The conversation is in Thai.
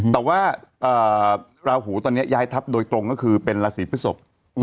แต่ว่าราหูตอนนี้ย้ายทัพโดยตรงก็คือเป็นราศีพฤศพ